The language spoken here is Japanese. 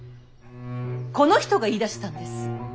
この人が言いだしたんです。